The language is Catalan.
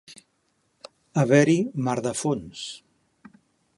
Haver-hi mar de fons.